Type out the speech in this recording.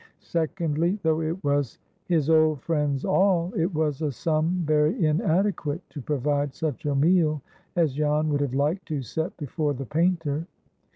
Secondly, though it was his old friend's all, it was a sum very inadequate to provide such a meal as Jan would have liked to set before the painter.